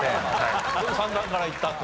でも算段からいったと。